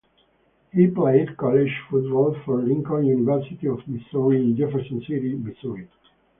He played college football for Lincoln University of Missouri in Jefferson City, Missouri.